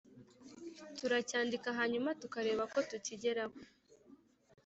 turacyandika hanyuma tukareba ko tukigeraho.